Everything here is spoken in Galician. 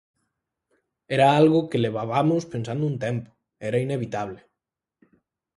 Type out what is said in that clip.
Era algo que levabamos pensando un tempo, era inevitable.